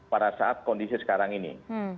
pada saat kondisi sekarang ini